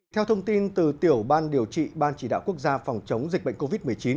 theo thông tin từ tiểu ban điều trị ban chỉ đạo quốc gia phòng chống dịch bệnh covid một mươi chín